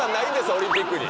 オリンピックに。